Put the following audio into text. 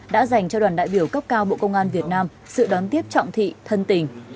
đã dành cho đoàn đại biểu cấp cao bộ công an việt nam sự đón tiếp trọng thị thân tình